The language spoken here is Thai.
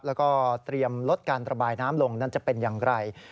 แล้วก็เตรียมลดการระบายน้ำลงนั้นจะเป็นอย่างไร